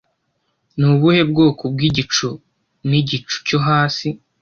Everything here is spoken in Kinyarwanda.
Ni ubuhe bwoko bw'igicu ni igicu cyo hasi